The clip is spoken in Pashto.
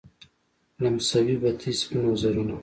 لمسوي بتې سپین وزرونه